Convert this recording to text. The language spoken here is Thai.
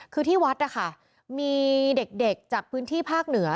คือที่วัดนะคะมีเด็กจากพื้นที่ภาคเหนือ